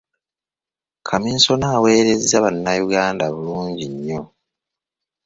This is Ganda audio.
Kamiisona aweerezza bannayuganda bulungi nnyo